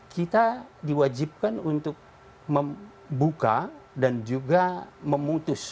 kita diwajibkan untuk membuka dan juga memutus